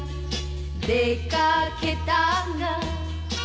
「出掛けたが」